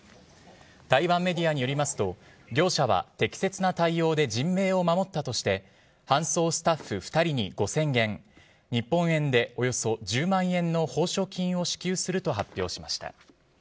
台湾メディアによりますと、業者は適切な対応で人命を守ったとして、搬送スタッフ２人に５０００元、日本円でおよそ１０万円の報奨金を支給すると発表しました。